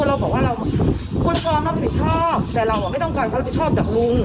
เราบอกว่าเราคุณพร้อมรับผิดชอบแต่เราไม่ต้องการความรับผิดชอบจากลุง